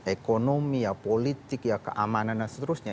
ekonomi ya politik ya keamanan dan seterusnya